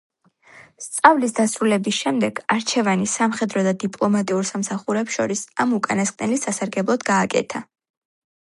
სწავლის დასრულების შემდეგ არჩევანი სამხედრო და დიპლომატიურ სამსახურებს შორის ამ უკანასკნელის სასარგებლოდ გააკეთა.